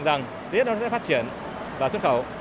rằng tiết nó sẽ phát triển và xuất khẩu